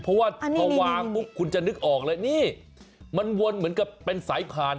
เพราะว่าพอวางปุ๊บคุณจะนึกออกเลยนี่มันวนเหมือนกับเป็นสายผ่าน